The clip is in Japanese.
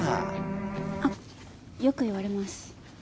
あっよく言われます。